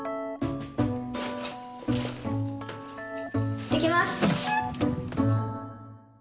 行ってきます！